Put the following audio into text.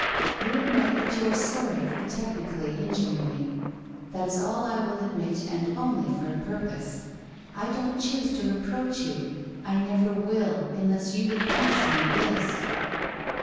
' You admit that you are sorry for technically injuring me! That is all I will admit, and only for a purpose. I don't choose to re proach you, I never will, unless you refuse me this.'